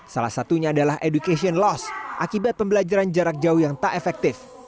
salah satunya adalah education loss akibat pembelajaran jarak jauh yang tak efektif